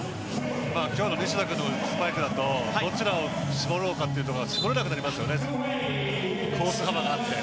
今日の西田君のスパイクだと、どちらを絞ろうかというと絞れなくなりますからね。